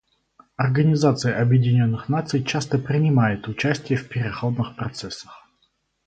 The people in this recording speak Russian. Организация Объединенных Наций часто принимает участие в переходных процессах.